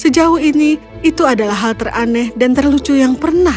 sejauh ini itu adalah hal teraneh dan terlucu yang pernah